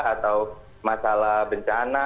atau masalah bencana